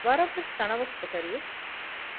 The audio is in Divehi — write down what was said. ވަރަށްވެސް ތަނަވަސް ކޮޓަރިއެއް